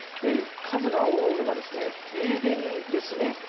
数が多いのが停電ですね。